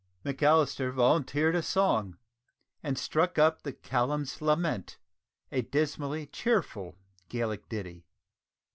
McAllister volunteered a song, and struck up the "Callum's Lament," a dismally cheerful Gaelic ditty.